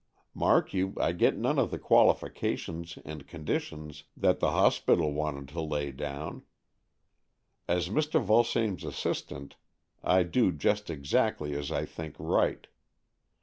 Mark you, I get none of the qualifications and conditions that the hospital wanted to lay down. As Mr. Vulsame's assistant, I do just exactly as I think right.